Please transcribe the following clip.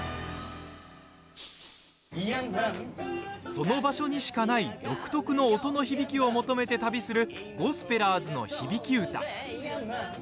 その場所にしかない独特の音の響きを求めて旅する「ゴスペラーズの響歌」。